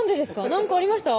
何かありました？